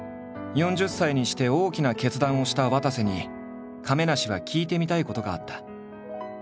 ４０歳にして大きな決断をしたわたせに亀梨は聞いてみたいことがあった。